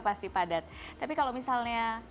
pasti padat tapi kalau misalnya